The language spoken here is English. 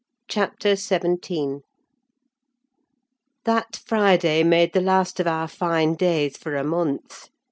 CHAPTER XVII That Friday made the last of our fine days for a month.